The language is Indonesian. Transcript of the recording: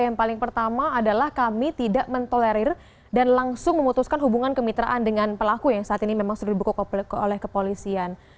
yang paling pertama adalah kami tidak mentolerir dan langsung memutuskan hubungan kemitraan dengan pelaku yang saat ini memang sudah dibuka oleh kepolisian